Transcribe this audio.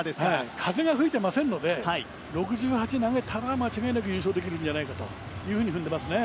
風が吹いてませんので６８を投げれば間違いなく優勝できるのではないかと踏んでいます。